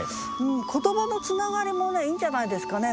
言葉のつながりもいいんじゃないですかね。